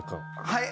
はい。